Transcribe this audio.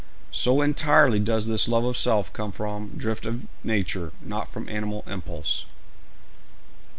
So entirely does this love of self come from drift of nature, not from animal impulse.